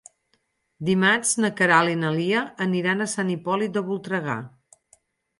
Dimarts na Queralt i na Lia aniran a Sant Hipòlit de Voltregà.